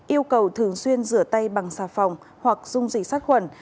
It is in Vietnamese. yêu cầu thường xuyên rửa tay bằng xà phòng hoặc dung dịch sát khuẩn